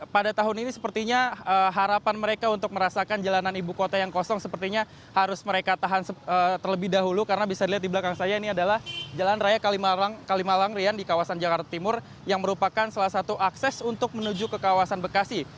pada tahun ini sepertinya harapan mereka untuk merasakan jalanan ibu kota yang kosong sepertinya harus mereka tahan terlebih dahulu karena bisa dilihat di belakang saya ini adalah jalan raya kalimalang rian di kawasan jakarta timur yang merupakan salah satu akses untuk menuju ke kawasan bekasi